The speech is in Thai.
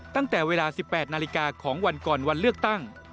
ตั้งแต่เวลา๑๘นาฬิกาของวันก่อนวันเลือกตั้ง